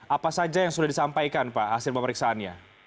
apa saja yang sudah disampaikan pak hasil pemeriksaannya